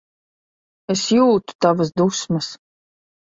Es jūtu tavas dusmas.